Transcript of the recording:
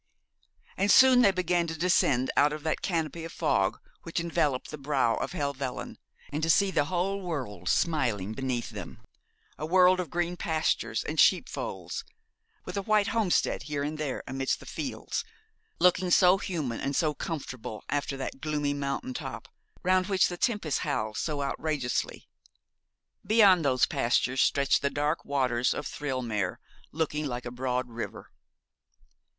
And soon they began to descend out of that canopy of fog which enveloped the brow of Helvellyn, and to see the whole world smiling beneath them, a world of green pastures and sheepfolds, with a white homestead here and there amidst the fields, looking so human and so comfortable after that gloomy mountain top, round which the tempest howled so outrageously. Beyond those pastures stretched the dark waters of Thirlmere, looking like a broad river.